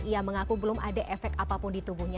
ia mengaku belum ada efek apapun di tubuhnya